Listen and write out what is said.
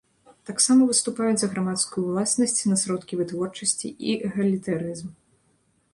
Таксама выступаюць за грамадскую ўласнасць на сродкі вытворчасці і эгалітарызм.